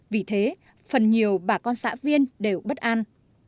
vì thế phần nhiều bà con xã viên đều bất an